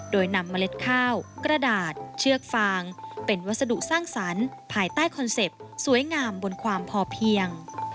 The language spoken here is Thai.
โดยนำเมล็ดข้าวกระดาษเชือกฟางเป็นวัสดุสร้างสรรค์ภายใต้คอนเซ็ปต์สวยงามบนความพอเพียง